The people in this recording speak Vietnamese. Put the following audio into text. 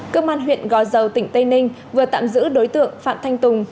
cơ quan huyện gò dầu tỉnh tây ninh vừa tạm giữ đối tượng phạm thanh tùng